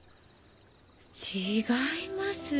違います。